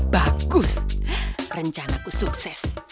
bagus rencana ku sukses